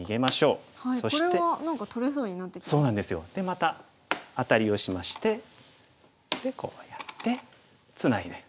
またアタリをしましてでこうやってツナいで。